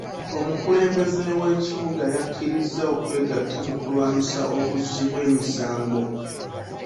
Omukulembeze w'ekibuga yakkirizza okwegatta mu kulwanyisa obuzzi bw'emisango.